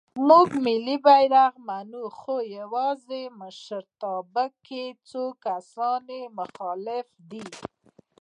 مونږ ملی بیرغ منو خو یواځې مشرتابه کې څو کسان یې مخالف دی.